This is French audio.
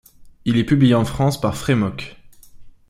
Il est publié en France par Frémok.